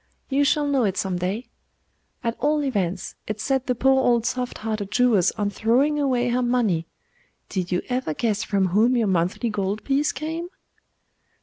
You shall know it some day. At all events, it set the poor old soft hearted Jewess on throwing away her money. Did you ever guess from whom your monthly gold piece came?